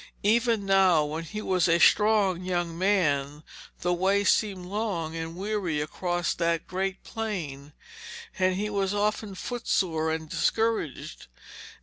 Even now, when he was a strong young man, the way seemed long and weary across that great plain, and he was often foot sore and discouraged.